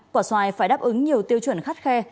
quả xoài phải đáp ứng nhiều tiêu chuẩn khắt khe